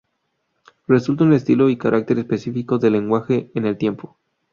Resulta un estilo y carácter específico del lenguaje en el tiempo.